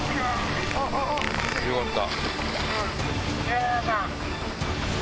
よかった！